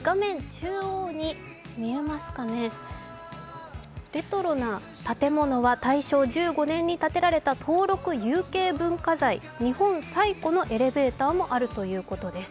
中央に見えますかね、レトロな建物は大正１６年に建てられた、登録有形文化財、日本最古のエレベーターもあるということです。